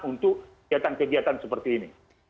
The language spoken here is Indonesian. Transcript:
untuk kegiatan kegiatan seperti ini